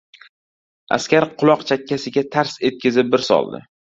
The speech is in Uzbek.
askar quloq-chakkasiga tars etkizib bir soldi.